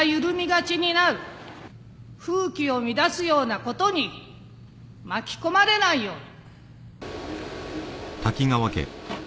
風紀を乱すようなことに巻き込まれないように。